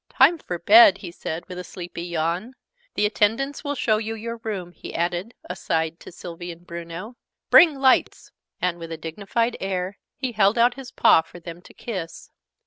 "Time for bed!" he said with a sleepy yawn. "The attendants will show you your room," he added, aside, to Sylvie and Bruno. "Bring lights!" And, with a dignified air, he held out his paw for them to kiss.